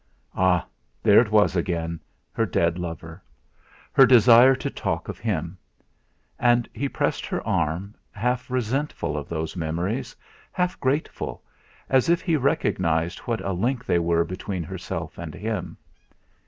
Ah! There it was again. Her dead lover; her desire to talk of him! And he pressed her arm, half resentful of those memories, half grateful, as if he recognised what a link they were between herself and him.